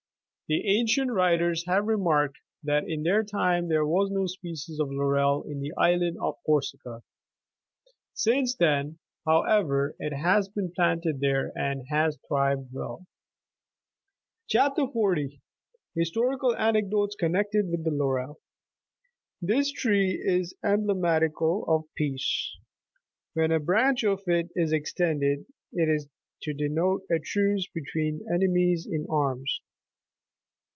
The ancient writers have remarked, that in their time there was no species of laurel in the island of Corsica. Since then, however, it has been planted there, and has thrived well. ' CHAP. 40. — HISTORICAL ANECDOTES CONNECTED WITH THE LAUREL. This tree is emblematical of peace :80 when a branch of it is extended, it is to denote a truce between enemies in arms.